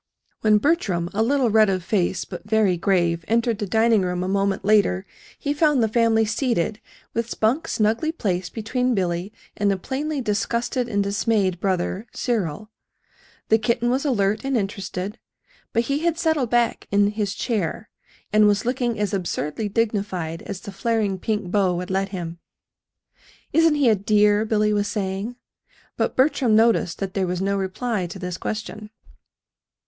When Bertram, a little red of face, but very grave, entered, the dining room a moment later, he found the family seated with Spunk snugly placed between Billy and a plainly disgusted and dismayed brother, Cyril. The kitten was alert and interested; but he had settled back in his chair, and was looking as absurdly dignified as the flaring pink bow would let him. "Isn't he a dear?" Billy was saying. But Bertram noticed that there was no reply to this question.